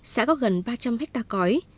xã có gần ba trăm linh hectare cõi